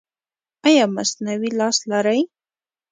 ایا مصنوعي لاس لرئ؟